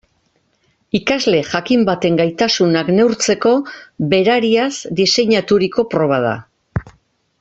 Ikasle jakin baten gaitasunak neurtzeko berariaz diseinaturiko proba da.